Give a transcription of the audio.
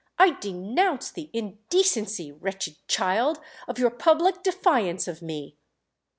"I denounce the indecency, wretched child, of your public defiance of me!"